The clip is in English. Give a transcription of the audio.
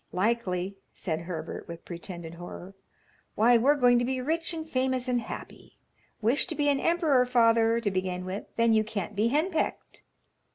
"Likely," said Herbert, with pretended horror. "Why, we're going to be rich, and famous and happy. Wish to be an emperor, father, to begin with; then you can't be henpecked."